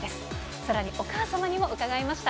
さらにお母様にも伺いました。